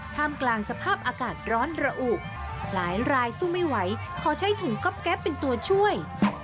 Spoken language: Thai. ท่ามกลางสภาพอากาศร้อนระอุหลายรายสู้ไม่ไหวขอใช้ถุงก๊อบแก๊ปเป็นตัวช่วย